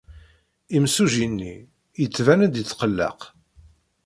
Imsujji-nni yettban-d yetqelleq.